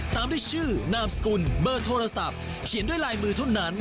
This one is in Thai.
ตามด้วยชื่อนามสกุลเบอร์โทรศัพท์เขียนด้วยลายมือเท่านั้น